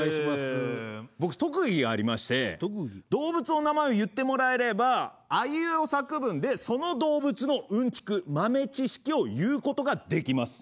僕特技がありまして動物の名前を言ってもらえればあいうえお作文でその動物のうんちく豆知識を言うことができます。